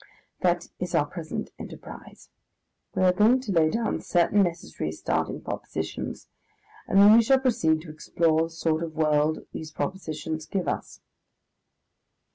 That is our present enterprise. We are going to lay down certain necessary starting propositions, and then we shall proceed to explore the sort of world these propositions give us....